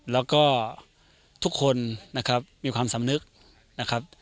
แล้วก็ทุกคนนะครับมีความสำนึกนะครับ